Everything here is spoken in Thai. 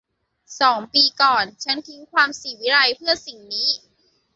สองปีก่อน ฉันทิ้งความศิวิไลซ์เพื่อสิ่งนี้